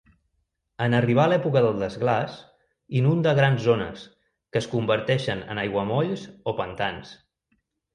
En arribar l'època del desglaç, inunda grans zones que es converteixen en aiguamolls o pantans.